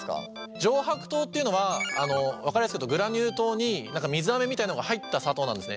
上白糖っていうのは分かりやすく言うとグラニュー糖に水あめみたいのが入った砂糖なんですね。